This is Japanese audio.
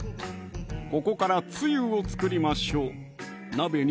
ここからつゆを作りましょう鍋に